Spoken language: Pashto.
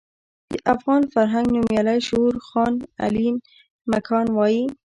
د افغان فرهنګ نومیالی شعور خان علين مکان وايي.